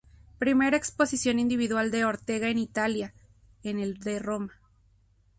Primera exposición individual de Ortega en Italia, en el de Roma.